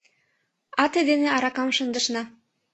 Ате дене аракам шындышна